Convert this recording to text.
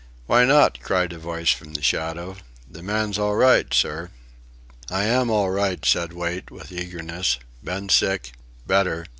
"Why not?" cried a voice from the shadows, "the man's all right, sir." "I am all right," said Wait, with eagerness. "Been sick... better...